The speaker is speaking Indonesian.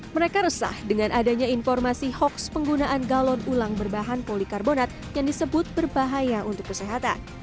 mereka resah dengan adanya informasi hoax penggunaan galon ulang berbahan polikarbonat yang disebut berbahaya untuk kesehatan